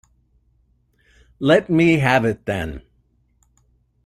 Let me have it then!